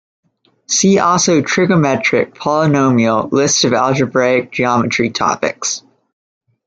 See also trigonometric polynomial, list of algebraic geometry topics.